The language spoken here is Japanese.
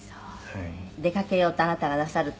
「出かけようとあなたがなさると」